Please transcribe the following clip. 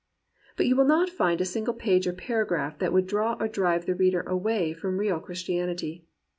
But you will not find a single page or paragraph that would draw or drive the reader away from real Christianity.